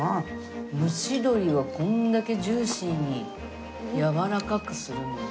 蒸し鶏をこんだけジューシーにやわらかくするのは。